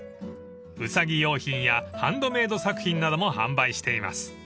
［ウサギ用品やハンドメード作品なども販売しています］